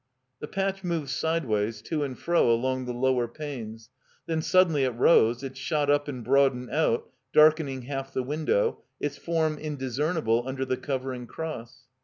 The patch moved sideways to and fro along the lower panes; then suddenly it rose, it shot up and broadened out, darkening half the window, its form indiscernible under the covering cross.